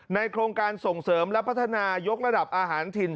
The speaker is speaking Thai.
โครงการส่งเสริมและพัฒนายกระดับอาหารถิ่น